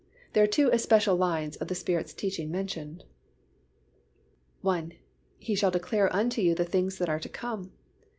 There are two especial lines of the Spirit's teaching mentioned: (1) "He shall declare unto you the things that are to come."